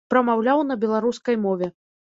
Прамаўляў на беларускай мове.